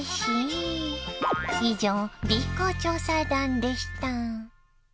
以上Ｂ公調査団でした。